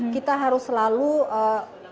kita harus selalu berhati hati dengan mereka